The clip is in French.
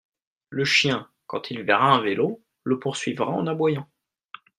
le chien, quand il verra un vélo, le poursuivra en aboyant.